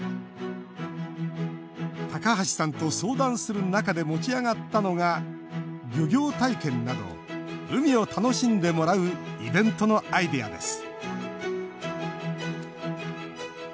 高橋さんと相談する中で持ち上がったのが漁業体験など海を楽しんでもらうイベントのアイデアです